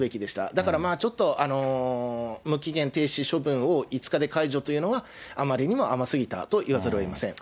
だからまあちょっと、無期限停止処分を５日で解除というのは、あまりにも甘すぎたと言わざるをえません。